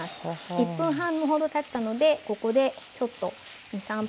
１分半ほどたったのでここでちょっと２３分炒めていきます。